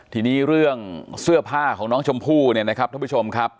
ทีนี้เรื่องเสื้อผ้าของน้องชมพู่เนี่ยนะครับท่านผู้ชมครับ